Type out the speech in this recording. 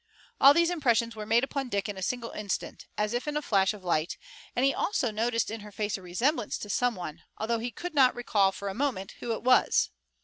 All these impressions were made upon Dick in a single instant, as if in a flash of light, and he also noticed in her face a resemblance to some one, although he could not recall, for a moment, who it was.